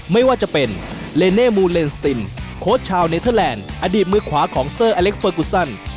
ไม่ว่าจะเป็นเลเน่มูลเลนสตินโค้ชชาวเนเทอร์แลนด์อดีตมือขวาของเซอร์อเล็กเฟอร์กูซัน